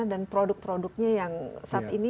dan produk produknya yang saat ini